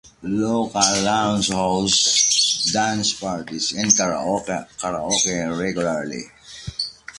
Local Lounge hosts dance parties and karaoke regularly.